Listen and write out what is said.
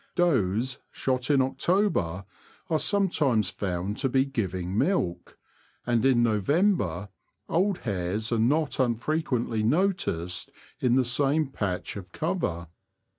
Does shot in October are sometimes found to be giving milk, and in November old hares are not unfrequently noticed in the same patch of cover.